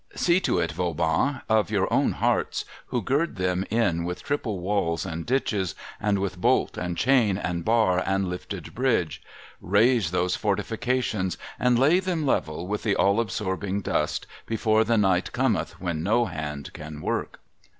See to it, Vaubans of your own hearts, who gird them in with triple walls and ditches, and with bolt and chain and bar and lifted bridge, — raze those fortifications, and lay them level with the all absorbing dust, before the night cometh when no hand can work